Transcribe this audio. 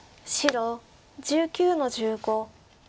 白１９の十五。